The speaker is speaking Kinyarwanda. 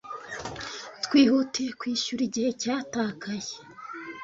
Twihutiye kwishyura igihe cyatakaye.